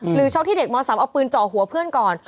ช็อกที่เด็กม๓เอาปืนเจาะหัวเพื่อนก่อน